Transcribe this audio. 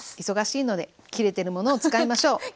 忙しいので切れてるものを使いましょう！